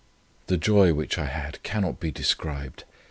The joy which I had cannot be described.